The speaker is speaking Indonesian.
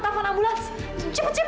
mau bawa tahan ambulans sekarang